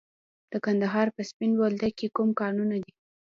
د کندهار په سپین بولدک کې کوم کانونه دي؟